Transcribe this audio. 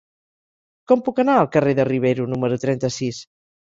Com puc anar al carrer de Rivero número trenta-sis?